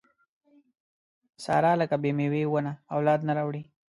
ساره لکه بې مېوې ونه اولاد نه راوړي.